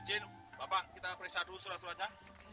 izin bapak kita periksa dulu surat suratnya